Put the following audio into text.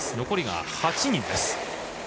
残りは８人です。